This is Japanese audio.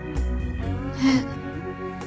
えっ？